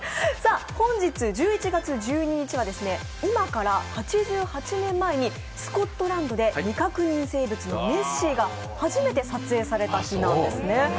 本日１１月１２日は今から８８年前にスコットランドで未確認生物のネッシーが初めて撮影された日なんですね。